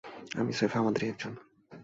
আমি স্রেফ আমাদেরই একজন।